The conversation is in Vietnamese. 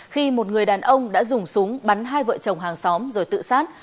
khi một người đàn ông đã dùng súng bắn hai vợ chồng hàng xóm rồi tự sát